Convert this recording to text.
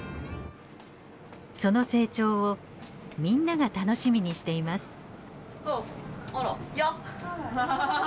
その成長をみんなが楽しみにしています。